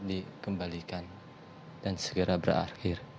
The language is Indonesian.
dikembalikan dan segera berakhir